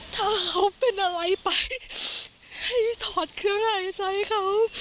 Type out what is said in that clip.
ถ้าเขาเป็นอะไรไปให้ถอดเครื่องในใส่เขา